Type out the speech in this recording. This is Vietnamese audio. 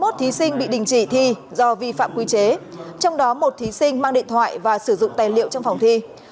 hai mươi một thí sinh bị đình chỉ thi do vi phạm quy chế trong đó một thí sinh mang điện thoại và sử dụng tài liệu trong phòng thi